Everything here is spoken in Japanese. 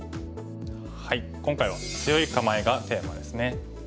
今回は強い構えがテーマですね。